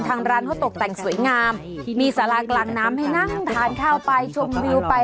ทางร้านเขาตกแต่งสวยงามมีสารากลางน้ำให้นั่งทานข้าวไปชมวิวไป